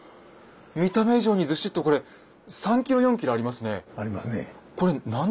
見た目以上にずしっとこれ３ｋｇ４ｋｇありますね。ありますね。